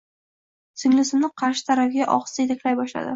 Singlisini qarshi tarafga ohista yetaklay boshladi.